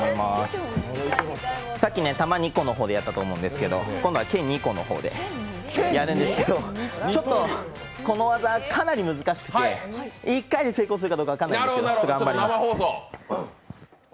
さっき玉２個のほうでやったと思うんですけど、今度は、けん２個の方でやるんですけど、ちょっとこの技かなり難しくて１回で成功するかどうか分からないんですけど頑張ります。